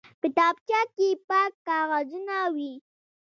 کتابچه کې پاک کاغذونه وي